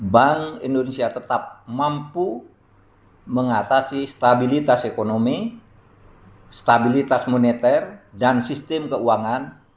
bank indonesia tetap mampu mengatasi stabilitas ekonomi stabilitas moneter dan sistem keuangan